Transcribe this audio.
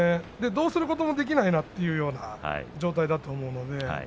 どうすることもできない状態だと思うんです。